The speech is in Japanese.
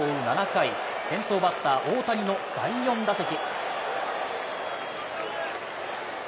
７回先頭バッター、大谷の第４打席。